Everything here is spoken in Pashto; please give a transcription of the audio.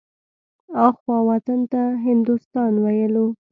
اخوا وطن ته هندوستان ويلو.